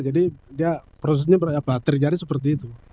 jadi dia prosesnya terjadi seperti itu